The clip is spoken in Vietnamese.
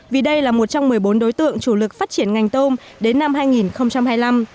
vì đây là một trong một mươi bốn đối tượng chủ lực phát triển ngành tôm đến năm hai nghìn hai mươi năm